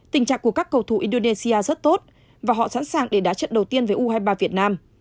tình trạng của các cầu thủ indonesia rất tốt và họ sẵn sàng để đá trận đầu tiên với u hai mươi ba việt nam